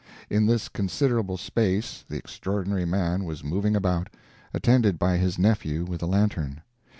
In this considerable space the Extraordinary Man was moving about, attended by his nephew with a lantern.